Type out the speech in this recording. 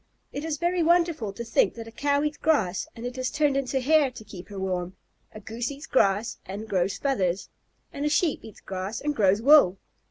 It is very wonderful to think that a Cow eats grass and it is turned into hair to keep her warm, a Goose eats grass and grows feathers, and a Sheep eats grass and grows wool.